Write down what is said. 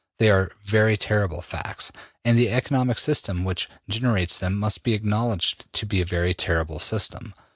They are very terrible facts, and the economic system which generates them must be acknowledged to be a very terrible system.